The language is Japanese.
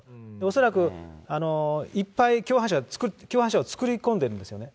恐らくいっぱい共犯者を作り込んでるんですよね。